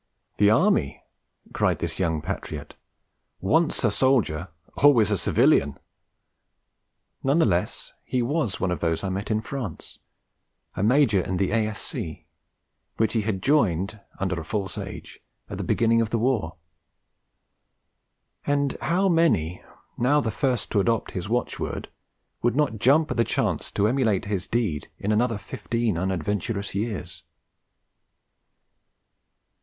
'The Army?' cried this young patriot. 'Once a soldier, always a civilian!' None the less, he was one of those I met in France, a Major in the A.S.C., which he had joined (under a false age) at the beginning of the war. And how many, now the first to adopt his watchword, would not jump at the chance to emulate his deed in another fifteen unadventurous years!